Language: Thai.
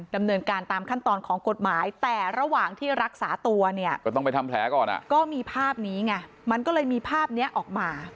ดำเนินการตามขั้นตอนของกฎหมายแต่ระหว่างที่รักษาตัวเนี่ยก็ต้องไปทำแผลก่อนอ่ะก็มีภาพนี้ไงมันก็เลยมีภาพนี้ออกมา